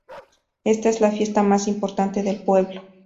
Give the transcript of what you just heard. Esta es la fiesta más importante del pueblo.